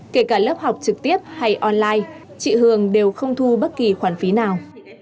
kể cả lớp học trực tiếp hay online chị hường đều không thu bất kỳ khoản phí nào